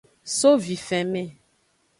So vifenme.